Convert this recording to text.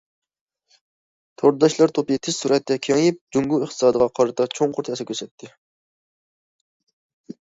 تورداشلار توپى تېز سۈرئەتتە كېڭىيىپ، جۇڭگو ئىقتىسادىغا قارىتا چوڭقۇر تەسىر كۆرسەتتى.